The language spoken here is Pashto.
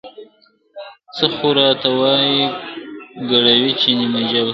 څه خو راته وايي ګړوي چي نیمه ژبه !.